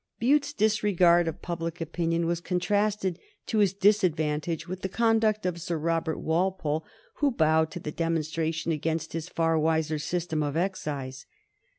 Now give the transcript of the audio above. Bute's disregard of public opinion was contrasted to his disadvantage with the conduct of Sir Robert Walpole, who bowed to the demonstration against his far wiser system of excise.